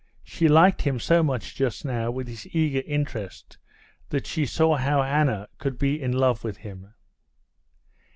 She liked him so much just now with his eager interest that she saw how Anna could be in love with him.